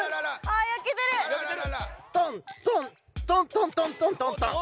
トントントントントントントントン。